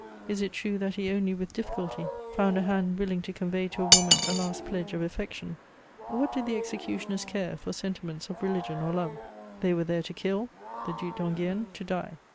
Is it true that he only with difficulty found a hand willing to convey to a woman a last pledge of affection? What did the executioners care for sentiments of religion or love? They were there to kill, the Duc d'Enghien to die.